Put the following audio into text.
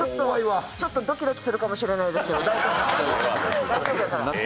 ちょっとドキドキするかもしれませんけど。